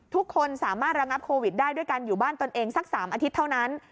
ทุกคนสามารถระงับโควิดได้ด้วยการอยู่บ้านตนเองสัก๓อาทิตย์เท่านั้น